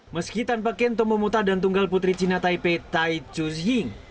meski tanpa kentong memutah dan tunggal putri cina taipei tai choo zhing